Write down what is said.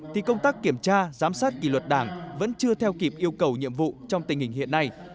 thì công tác kiểm tra giám sát kỳ luật đảng vẫn chưa theo kịp yêu cầu nhiệm vụ trong tình hình hiện nay